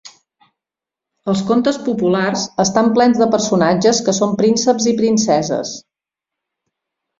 Els contes populars estan plens de personatges que són prínceps i princeses.